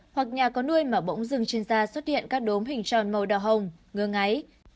hoặc nhà có nuôi mà bỗng rừng trên da xuất hiện các đốm hình tròn màu đỏ hồng ngơ ngáy